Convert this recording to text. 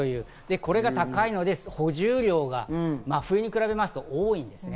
これが高いので、補充量が高いので真冬に比べますと多いんですね。